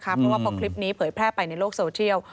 เพราะว่าพอคลิปนี้เผยแพร่ไปในโลกโซเชียล